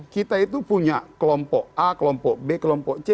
kita itu punya kelompok a kelompok b kelompok c